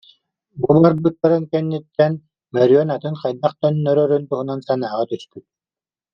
Бу барбыттарын кэнниттэн Мөрүөн атын хайдах төннөрөрүн туһунан санааҕа түспүт